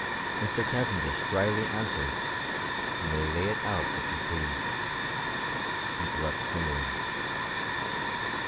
Mr. Cavendish dryly answered, " You may lay it out if you please," and left the room.